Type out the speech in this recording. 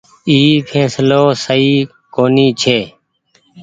اي ڦيسلو سئي ڪونيٚ ڇي۔